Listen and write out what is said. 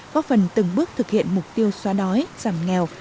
góp phần từng bước thực hiện mục tiêu xóa đói giảm nghèo